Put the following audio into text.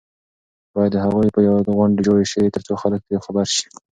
باید د هغوی په یاد غونډې جوړې شي ترڅو خلک ترې خبر شي.